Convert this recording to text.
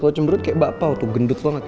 kalo cemberut kayak bakpao tuh gendut banget